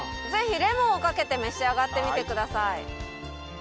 ぜひレモンをかけて召し上がってみてください。